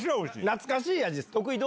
懐かしい味です。